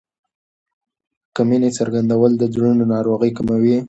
د مینې څرګندول د زړونو ناروغۍ کموي.